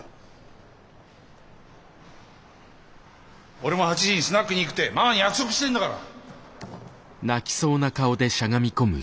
俺も８時にスナックに行くってママに約束してんだから。